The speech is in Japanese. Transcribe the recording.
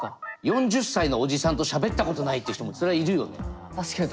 ４０歳のおじさんとしゃべったことないって人もそりゃいるよね。